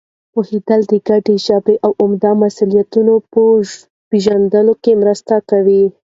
پوهېدل د ګډې ژبې او د عامو مسؤلیتونو په پېژندلو کې مرسته کوي.